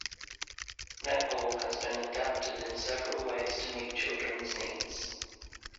Netball has been adapted in several ways to meet children's needs.